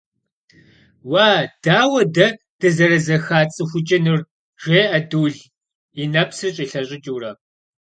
– Уа, дауэ дэ дызэрызэхацӀыхукӀынур? – жеӀэ Дул, и нэпсыр щӀилъэщӀыкӀыурэ.